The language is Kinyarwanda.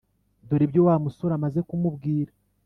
dore ibyo wa musore amaze kumubwira